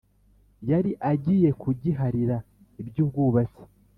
yari agiye kugiharira iby’ubwubatsi.